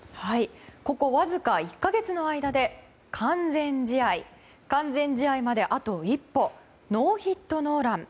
ここわずか１か月の間で完全試合完全試合まであと一歩ノーヒットノーラン。